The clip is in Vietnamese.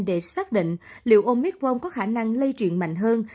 để xác định liệu omicron có khả năng lây truyền mạnh hơn